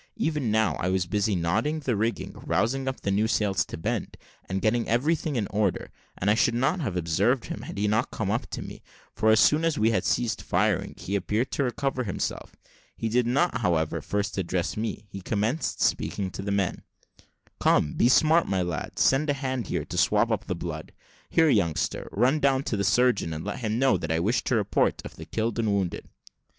Even now, I was busy knotting the rigging, rousing up new sails to bend, and getting everything in order, and I should not have observed him, had he not come up to me; for as soon as we had ceased firing he appeared to recover himself. He did not, however, first address me; he commenced speaking to the men. "Come, be smart, my lads; send a hand here to swab up the blood. Here, youngster, run down to the surgeon, and let him know that I wish a report of the killed and wounded."